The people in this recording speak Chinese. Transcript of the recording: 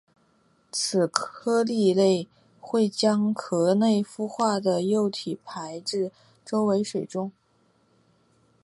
此科蜊类会将壳内孵化的幼体排至周围水中。